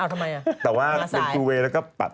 เอ้าทำไมล่ะม่าสายแต่ว่าเชิญสูงเวย์แล้วก็ปัด